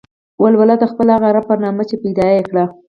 ولوله د خپل هغه رب په نامه چې پيدا يې کړ.